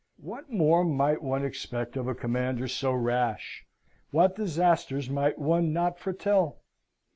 What more might one expect of a commander so rash? What disasters might one not foretell?